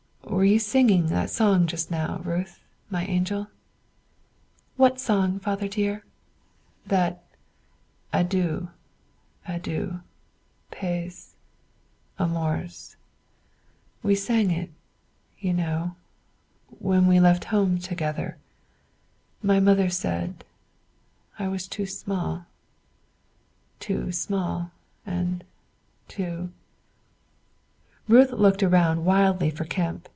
"Were you singing that song just now, Ruth, my angel?" "What son, Father dear?" "That 'Adieu, adieu pays amours' we sang it you know when we left home together my mother said I was too small too small and too " Ruth looked around wildly for Kemp.